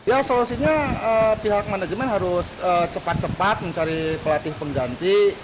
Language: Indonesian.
ya solusinya pihak manajemen harus cepat cepat mencari pelatih pengganti